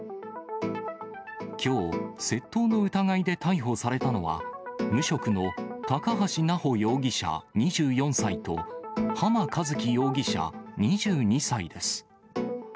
きょう、窃盗の疑いで逮捕されたのは、無職の高橋直穂容疑者２４歳と、浜一輝容疑者２２歳です。